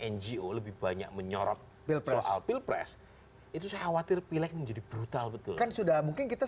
ngo lebih banyak menyorot pilpres itu saya khawatir pilek menjadi brutal betul kan sudah mungkin kita